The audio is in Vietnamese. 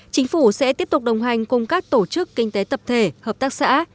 chính phủ sẽ tiếp tục đồng hành cùng các tổ chức kinh tế tập thể hợp tác xã